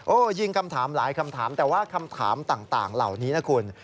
ยิงคำถามหลายคำถามแต่ว่าคำถามต่างเหล่านี้นะคุณ